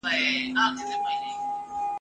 د ژوندیو له نړۍ څخه بېلېږم ..